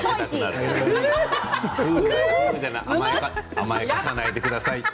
甘やかさないでください。